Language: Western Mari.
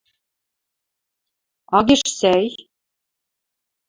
Агеш сӓй.